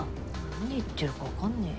何言ってるか分かんねぇよ。